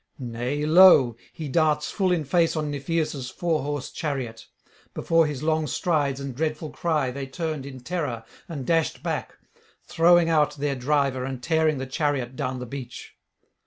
Nay, lo! he darts full in face on Niphaeus' four horse chariot; before his long strides [573 608]and dreadful cry they turned in terror and dashed back, throwing out their driver and tearing the chariot down the beach.